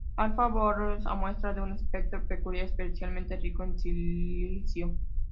Alfa Doradus A muestra un espectro peculiar especialmente rico en silicio.